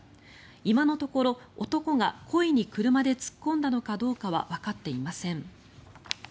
今のところ男が故意に車で突っ込んだのかどうかはわかっていません。